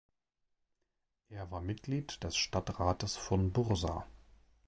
Er war Mitglied des Stadtrates von Bursa.